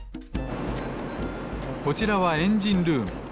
こちらはエンジンルーム。